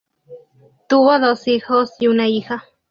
Tuvo dos hijos y una hija.